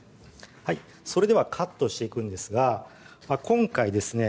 それではカットしていくんですが今回ですね